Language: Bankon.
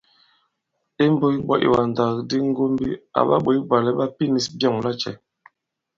Imbūs ɓɔ̄ ìwàndàkdi ŋgɔ̄mbī, àɓa ɓǒt bwàlɛ ɓa pinīs byɔ̂ŋ lacɛ̄ ?